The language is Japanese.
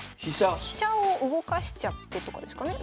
飛車を動かしちゃってとかですかね。